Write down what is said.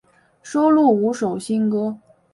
收录五首新歌。